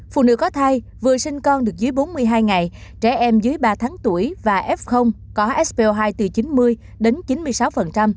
phụ nữ có thai vừa sinh con được dưới bốn mươi hai ngày trẻ em dưới ba tháng tuổi và f có sp hai từ chín mươi đến chín mươi sáu